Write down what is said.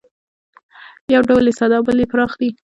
یو ډول یې ساده او بل یې پراخ دی